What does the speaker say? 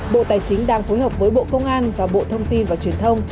bộ tài chính đang phối hợp với bộ công an và bộ thông tin và truyền thông